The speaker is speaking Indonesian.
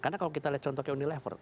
karena kalau kita lihat contohnya unilever